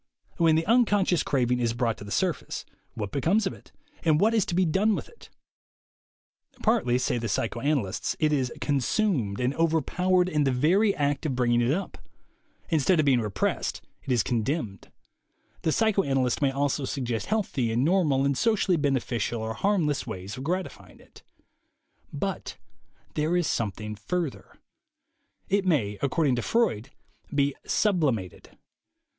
When the unconscious craving is brought to the surface, what becomes of it and what is to be done with it? Partly, say the psychoanalysts, it is "con sumed" and overpowered in the very act of bring 96 THE WAY TO WILL POWER ing it up. Instead of being repressed, it is con demned. The psychoanalyst may also suggest healthy and normal and socially beneficial or harm less ways of gratifying it. But there is something further. It may, accord ing to Freud, be "sublimated."